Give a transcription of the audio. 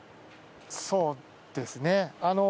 そうですね。